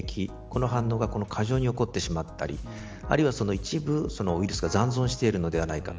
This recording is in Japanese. この反応が過剰に起こってしまったりあるいは一部、ウイルスが残存しているのではないか。